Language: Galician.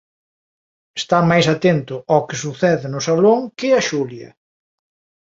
Está máis atento ó que sucede no salón que a Xulia.